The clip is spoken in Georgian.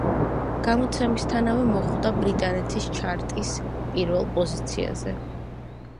გამოცემისთანავე მოხვდა ბრიტანეთის ჩარტის პირველ პოზიციაზე.